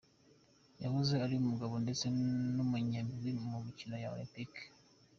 Yahoze ari umugabo ndetse n'umunyabigwi mu mikino ya olempike.